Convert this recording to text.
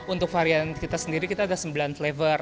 untuk varian kita sendiri kita ada sembilan flavor